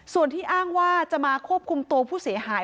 ส่วนที่อ้างว่าจะมาควบคุมตัวผู้เสียหาย